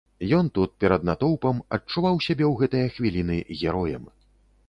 Ён тут перад натоўпам адчуваў сябе ў гэтыя хвіліны героем.